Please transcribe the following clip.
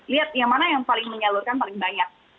lihat yang mana yang paling menyalurkan paling banyak